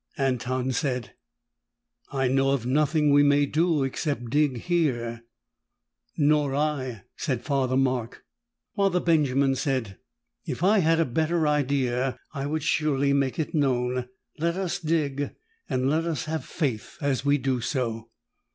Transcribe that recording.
Anton said, "I know of nothing we may do except dig here." "Nor I," said Father Mark. Father Benjamin said, "If I had a better idea, I would surely make it known. Let us dig, and let us have faith as we do so."